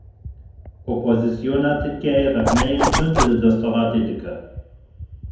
Opozîsyona Tirkiyeyê rexneyên tund li desthilatê dike.